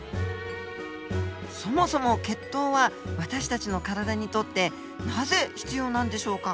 そもそも血糖は私たちの体にとってなぜ必要なんでしょうか？